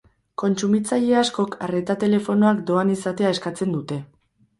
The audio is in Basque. Kontsumitzaile askok arreta telefonoak doan izatea eskatzen dute.